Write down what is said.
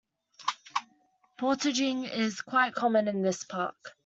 Portaging is quite common in this park.